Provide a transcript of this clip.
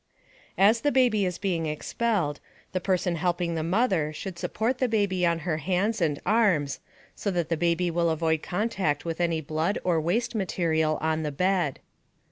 As the baby is being expelled, the person helping the mother should support the baby on her hands and arms so that the baby will avoid contact with any blood or waste material on the bed.